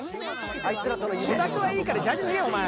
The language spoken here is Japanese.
あいつらとの夢御託はいいからジャージ脱げお前